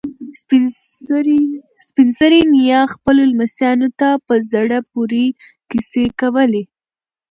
سپین سرې نیا خپلو لمسیانو ته په زړه پورې کیسې کوي.